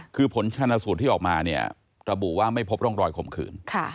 คือผลชนสูตรที่ออกมาเนี่ยระบุว่าไม่พบร่องรอยข่มขืน